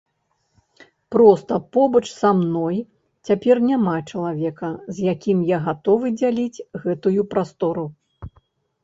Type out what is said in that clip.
Проста побач са мной цяпер няма чалавека, з якім я гатовы дзяліць гэтую прастору.